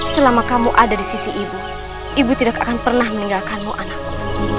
selama kamu ada di sisi ibu ibu tidak akan pernah meninggalkanmu anakku